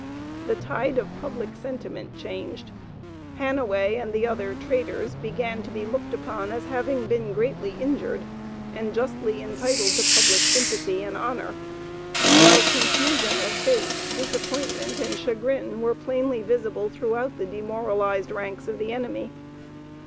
The tide of public sentiment changed Hanaway, and the other "traitors," began to be looked upon as having been greatly injured, and justly entitled to public sympathy and honor, while confusion of face, disappointment and chagrin were plainly visible throughout the demoralized ranks of the enemy.